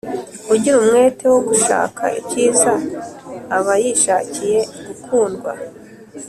ugira umwete wo gushaka ibyiza aba yishakiye gukundwa,